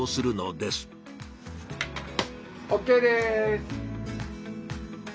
ＯＫです！